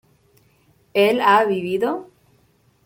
¿él ha vivido?